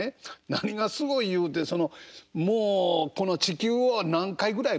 何がすごいいうてもうこの地球を何回ぐらい回りましたんや？